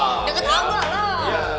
deket sama loh